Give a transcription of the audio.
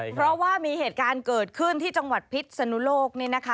เพราะว่ามีเหตุการณ์เกิดขึ้นที่จังหวัดพิษสนุโลก